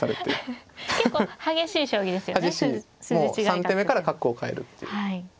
もう３手目から角を換えるっていう。